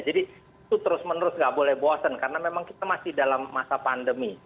jadi itu terus menerus tidak boleh bosen karena memang kita masih dalam masa pandemi